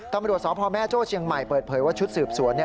ตำรวจสพแม่โจ้เชียงใหม่เปิดเผยว่าชุดสืบสวน